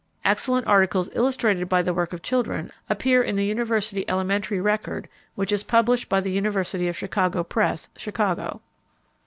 Excellent articles illustrated by the work of children appear in The University Elementary Record, which is published by the University of Chicago Press, Chicago.